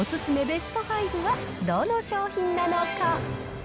ベスト５はどの商品なのか。